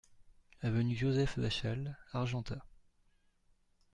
Avenue Joseph Vachal, Argentat